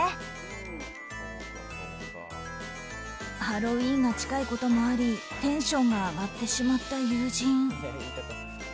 ハロウィーンが近いこともありテンションが上がってしまった友人。